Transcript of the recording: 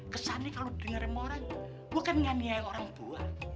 kesannya kalau lo dengerin orang gue kan gak niat sama orang tua